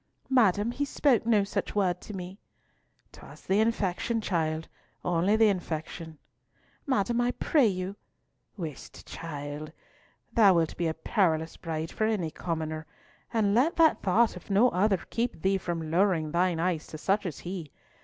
"Madam, he spoke no such word to me." "'Twas the infection, child—only the infection." "Madam, I pray you—" "Whist, child. Thou wilt be a perilous bride for any commoner, and let that thought, if no other, keep thee from lowering thine eyes to such as he.